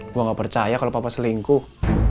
gue gak percaya kalau papa selingkuh